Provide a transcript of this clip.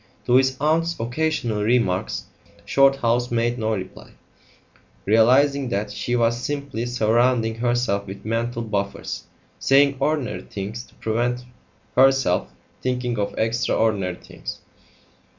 To his aunt's occasional remarks Shorthouse made no reply, realising that she was simply surrounding herself with mental buffers saying ordinary things to prevent herself thinking of extra ordinary things.